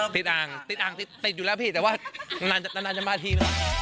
อ่างติดอ่างติดอยู่แล้วพี่แต่ว่านานจะมาทีนึง